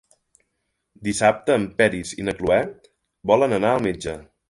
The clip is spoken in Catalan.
Dissabte en Peris i na Cloè volen anar al metge.